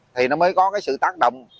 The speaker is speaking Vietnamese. thì nó mới có cái sự tác động